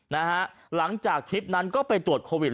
หลังจากคลิปนั้นก็ไปตรวจโควิด